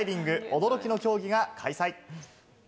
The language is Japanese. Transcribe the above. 驚きの競技が開催。